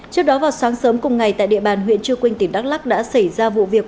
trước đó vào sáng sớm cùng ngày tại địa bàn huyện trư quynh tỉnh đắk lắc đã xảy ra vụ việc